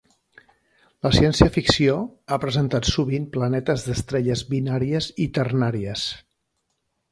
La ciència-ficció ha presentat sovint planetes d'estrelles binàries i ternàries.